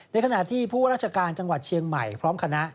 ขณะที่ผู้ราชการจังหวัดเชียงใหม่พร้อมคณะ